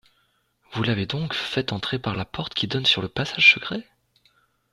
Vous l’avez donc fait entrer parla porte qui donne sur le passage secret ?